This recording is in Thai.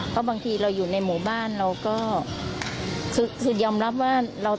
เพราะบางทีเราอยู่ในหมู่บ้านเราก็คือยอมรับว่าเรา